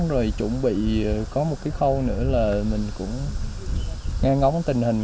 rồi chuẩn bị có một cái khâu nữa là mình cũng nghe ngóng tình hình